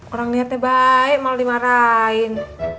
orang niatnya baik malah dimarahin